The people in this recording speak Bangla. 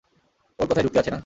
ওর কথায় তো যুক্তি আছে, না?